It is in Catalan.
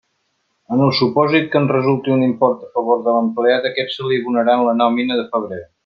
En el supòsit que en resulti un import a favor de l'empleat, aquest se li abonarà en la nòmina de febrer.